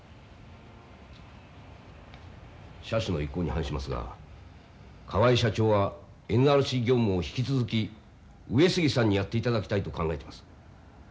社主の意向に反しますが河合社長はＮＲＣ業務を引き続き上杉さんにやっていただきたいと考えてます。